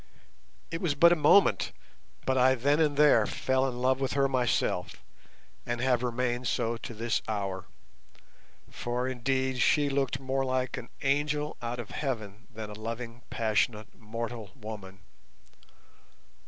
It was but a moment, but I then and there fell in love with her myself, and have remained so to this hour; for, indeed, she looked more like an angel out of heaven than a loving, passionate, mortal woman.